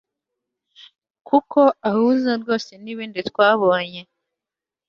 kuko ahuza rwose n'ibindi twabonye